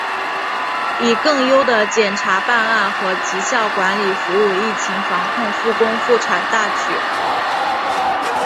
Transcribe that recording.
以更优的检察办案和绩效管理服务疫情防控、复工复产大局